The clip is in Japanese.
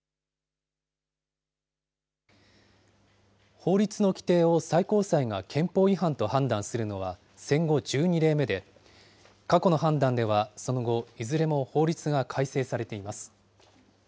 法律の規定を最高裁が憲法違反と判断するのは、戦後１２例目で、過去の判断ではその後、いずれも法律が改正されています。